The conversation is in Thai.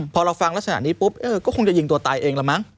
พอเราฟังลักษณะนี้ปุ๊บก็คงจะยิงตัวตายเองละมั้ง